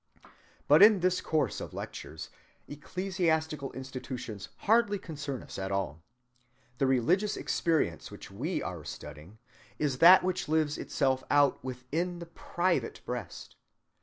But in this course of lectures ecclesiastical institutions hardly concern us at all. The religious experience which we are studying is that which lives itself out within the private breast.